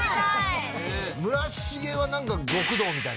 村重は何か極道みたいな感じ。